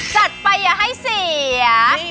จัดไปอย่าให้เสีย